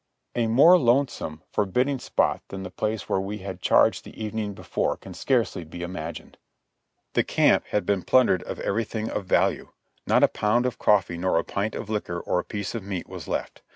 A more lonesome, forbidding spot than the place where we had charged the evening before can scarcely be imagined. The camp had been plundered of everything of value; not a pound of coffee nor a pint of liquor or a piece of meat was left.